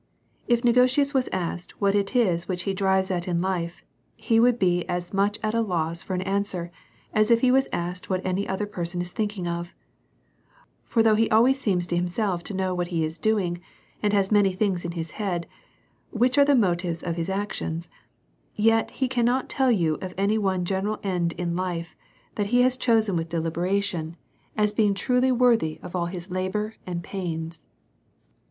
If Negotius was asked, what it is that he drives at in life? he would be as much at a loss for an answer, as if he was asked what any other person is thinking of; for though he always seems to himself to know what he is doing, and has many things in his head, which are the motives of his actions, yet he cannot tell you of any one general end of life, that he has chosen with deliberation, as being truly worthy of all his labour and pains.